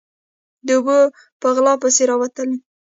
_د اوبو په غلا پسې راوتلی.